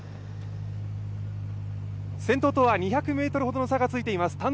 先頭とは２００ｍほどの差がついています。